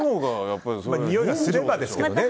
においがすればですけどね。